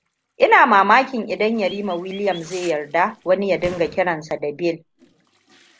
Ina mamakin idan Yarima Willam zai yarda wani ya dinga kiransa da Bill.